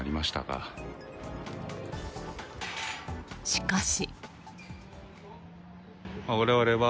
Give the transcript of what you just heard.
しかし。